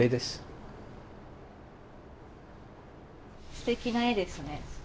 すてきな絵ですね。